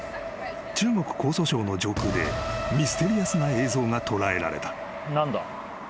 中国江蘇省の上空でミステリアスな映像が捉えられた］